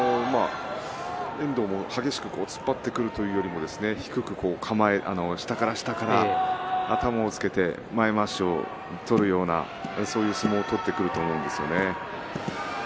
遠藤も激しく突っ張ってくるというよりも低く下から下から頭をつけて前まわしを取るようなそういう相撲を取ってくると思います。